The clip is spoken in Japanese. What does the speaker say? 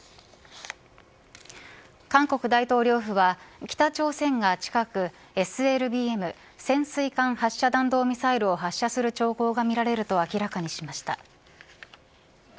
韓国大統領府は北朝鮮が近くＳＬＢＭ潜水艦発射弾道ミサイルを発射する兆候が見られると明らかにしました。